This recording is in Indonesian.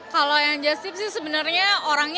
kalau yang jastip sih sebenarnya orangnya